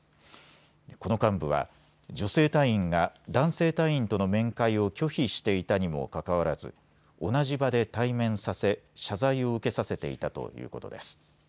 この幹部は女性隊員が男性隊員との面会を拒否していたにもかかわらず同じ場で対面させ、謝罪を受けさせていたということです。